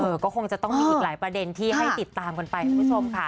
ก็คงจะต้องมีอีกหลายประเด็นที่ให้ติดตามกันไปคุณผู้ชมค่ะ